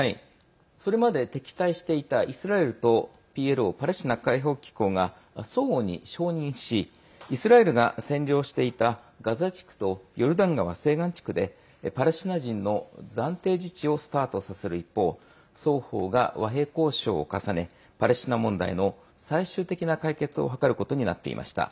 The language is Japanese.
それまで敵対していたイスラエルとＰＬＯ＝パレスチナ解放機構が相互に承認しイスラエルが占領していたガザ地区とヨルダン川西岸地区でパレスチナ人の暫定自治をスタートさせる一方双方が和平交渉を重ねパレスチナ問題の最終的な解決を図ることになっていました。